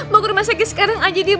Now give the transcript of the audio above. mau ke rumah sakit sekarang aja dini iya